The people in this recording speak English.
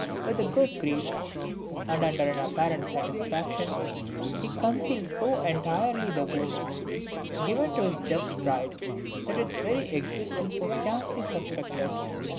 With a good grace and under an apparent satisfaction, he concealed so entirely the wound given to his just pride, that its very existence was scarcely suspected.